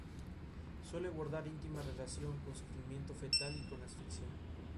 Suele guardar íntima relación con sufrimiento fetal y con asfixia.